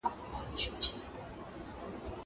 نور عرب دې خپل مېلې كړي